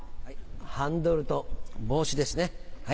ハンドルと帽子ですね。